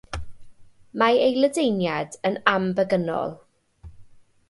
Mae ei ledaeniad yn ambegynol.